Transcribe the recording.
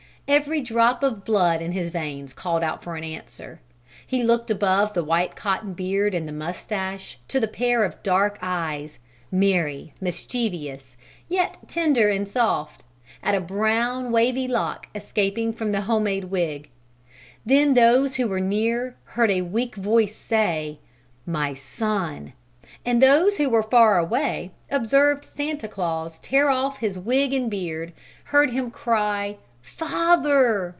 Every drop of blood in his veins called out for answer. He looked above the white cotton beard and mustache to a pair of dark eyes; merry, mischievous, yet tender and soft; at a brown wavy lock escaping from the home made wig. Then those who were near heard a weak voice say, "My son!" and those who were far away observed Santa Claus tear off his wig and beard, heard him cry, "Father!"